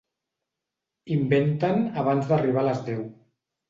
Inventen abans d'arribar a les deu.